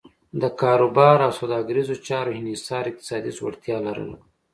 د کاروبار او سوداګریزو چارو انحصار اقتصادي ځوړتیا لرله.